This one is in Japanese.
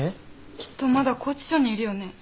きっとまだ拘置所にいるよね。